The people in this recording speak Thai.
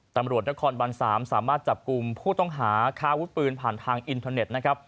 ตำรวจนครบัน๓สามารถจับกลุ่มผู้ต้องหาค้าวุฒิปืนผ่านทางอินเทอร์เน็ตนะครับ